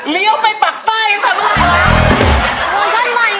เลี้ยวไปปากป้ายกันซะลูกค้า